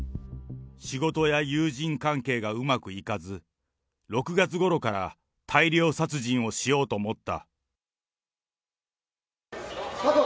仕事や友人関係がうまくいかず、６月ごろから大量殺人をしようと思った。